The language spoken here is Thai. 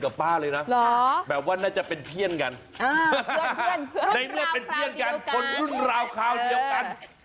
ในรวมเป็นเพี้ยนกันคนรุ่นราวคาวเดียวกัน